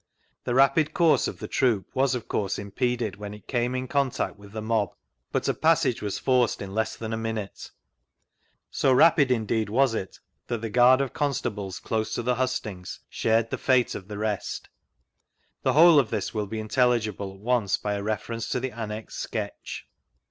The rapid course <rf the troop was of course impeded when it came in contact with the mob, but a passage was forced in less than a minute; so r^d indeed was it that the guard <^ constables close to the hustings shared the fate of the rest The whole of this will be intelligible at once by a reference to the annexed sketch.